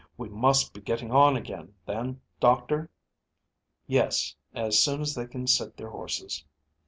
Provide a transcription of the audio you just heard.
"We must be getting on again, then, doctor?" "Yes; as soon as they can sit their horses."